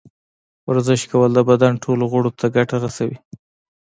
ورزش کول د بدن ټولو غړو ته ګټه رسوي.